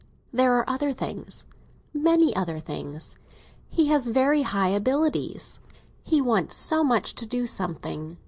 "There are other things—many other things. He has very high abilities—he wants so much to do something.